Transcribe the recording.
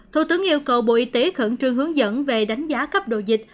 thủ tướng yêu cầu bộ y tế khẩn trương hướng dẫn về đánh giá cấp độ dịch